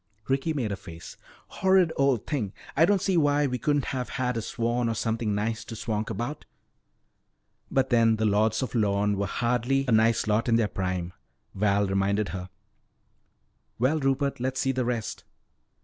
Ricky made a face. "Horrid old thing. I don't see why we couldn't have had a swan or something nice to swank about." "But then the Lords of Lorne were hardly a nice lot in their prime," Val reminded her. "Well, Rupert, let's see the rest."